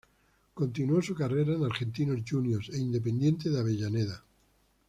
Continuó su carrera en Argentinos Juniors e Independiente de Avellaneda.